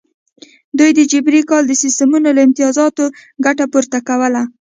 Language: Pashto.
دوی د جبري کار د سیستمونو له امتیازاتو ګټه پورته کوله.